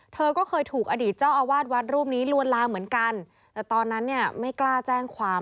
เธอก็เคยถูกอดีตเจ้าอาวาสวัดรูปนี้ลวนลามเหมือนกันแต่ตอนนั้นเนี่ยไม่กล้าแจ้งความ